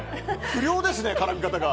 不良ですね、絡み方が。